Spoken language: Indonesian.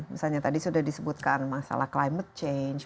misalnya tadi sudah disebutkan masalah climate change